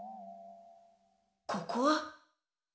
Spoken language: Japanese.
ここは？